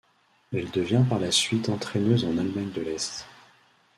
Elle devient par la suite entraîneuse en Allemagne de l'Est.